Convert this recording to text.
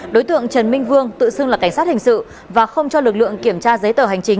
đối tượng trần minh vương tự xưng là cảnh sát hình sự và không cho lực lượng kiểm tra giấy tờ hành trình